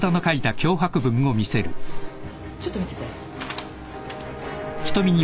ちょっと見せて。